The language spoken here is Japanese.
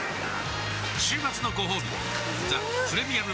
週末のごほうび「ザ・プレミアム・モルツ」